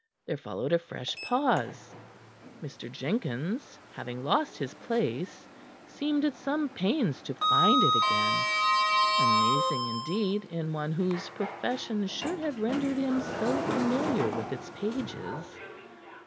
There followed a fresh pause. Mr. Jenkins, having lost his place, seemed at some pains to find it again amazing, indeed, in one whose profession should have rendered him so familiar with its pages.